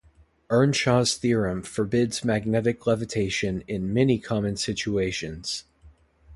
Earnshaw's theorem forbids magnetic levitation in many common situations.